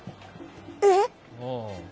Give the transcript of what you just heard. えっ？